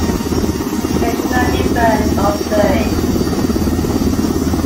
They should not be burned or buried.